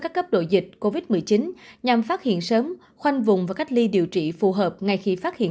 các cấp độ dịch covid một mươi chín nhằm phát hiện sớm khoanh vùng và cách ly điều trị phù hợp ngay khi phát hiện